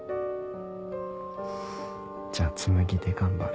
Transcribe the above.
じゃあ紬で頑張る。